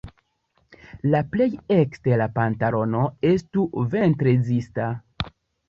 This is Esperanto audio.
La plej ekstera pantalono estu ventrezista.